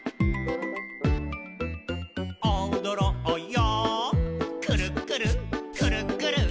「おどろうよくるっくるくるっくる」